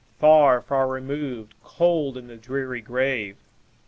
Far, far removed, cold in the dreary grave!